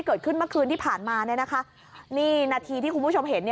เกิดขึ้นเมื่อคืนที่ผ่านมานี่นาทีที่คุณผู้ชมเห็น